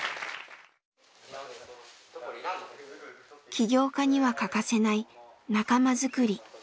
起業家には欠かせない「仲間づくり」。